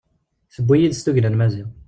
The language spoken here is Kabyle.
Tewwi yid-s tugna n Maziɣ.